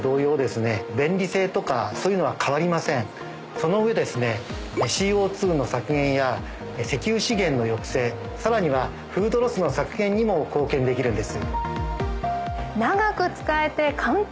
その上ですねＣＯ２の削減や石油資源の抑制さらにはフードロスの削減にも貢献できるんです。